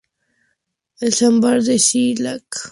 El Sambar de Sri Lanka habita en bosques secos bajos.